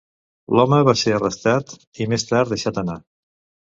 L'home va ser arrestat i, més tard, deixat anar.